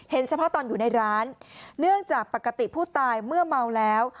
เฉพาะตอนอยู่ในร้านเนื่องจากปกติผู้ตายเมื่อเมาแล้ว